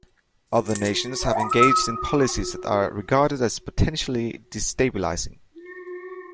Other nations have engaged in policies that are regarded as potentially destabilizing.